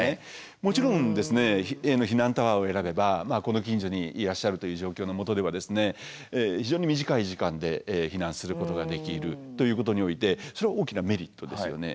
もちろんＡの避難タワーを選べばこの近所にいらっしゃるという状況のもとでは非常に短い時間で避難することができるということにおいてそれは大きなメリットですよね。